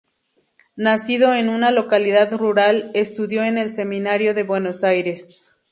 Nacido en una localidad rural, estudió en el seminario de Buenos Aires.